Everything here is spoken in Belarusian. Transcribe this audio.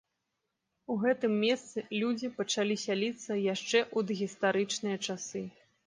У гэтым месцы людзі пачалі сяліцца яшчэ ў дагістарычныя часы.